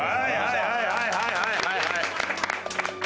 はいはいはいはい！